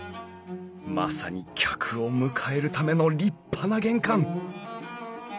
まさに客を迎えるための立派な玄関。